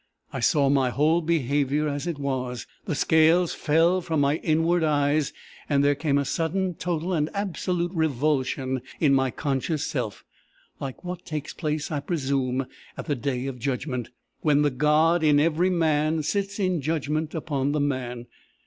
I saw my whole behaviour as it was. The scales fell from my inward eyes, and there came a sudden, total, and absolute revulsion in my conscious self like what takes place, I presume, at the day of judgment, when the God in every man sits in judgment upon the man.